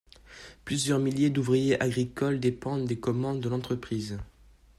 Plusieurs milliers d’ouvriers agricoles dépendent des commandes de l’entreprise.